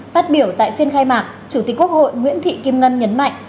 phát biểu tại phiên khai mạc chủ tịch quốc hội nguyễn thị kim ngân nhấn mạnh